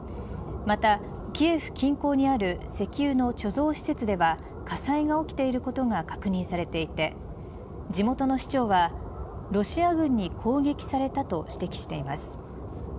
またキエフ近郊にある石油の貯蔵施設では火災が起きていることが確認されていて地元の市長はロシア軍に攻撃されたと指摘しています。